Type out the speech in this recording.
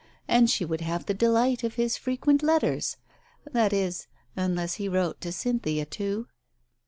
And she would have the delight of his frequent letters. That is, unless he wrote to Cynthia too?